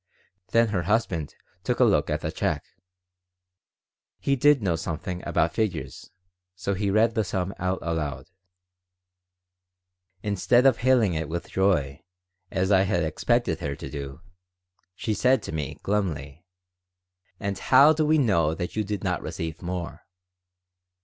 Then her husband took a look at the check. He did know something about figures, so he read the sum out aloud Instead of hailing it with joy, as I had expected her to do, she said to me, glumly: "And how do we know that you did not receive more?"